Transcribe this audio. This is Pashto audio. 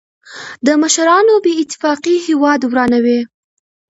د مشرانو بې اتفاقي هېواد ورانوي.